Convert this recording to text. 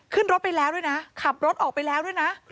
ขึ้นรถไปแล้วด้วยนะขับรถออกไปแล้วด้วยนะ